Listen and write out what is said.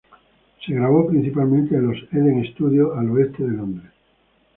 Se grabó principalmente en los Eden Studios al oeste de Londres.